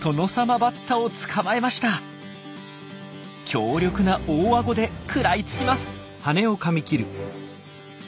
強力な大あごで食らいつきます。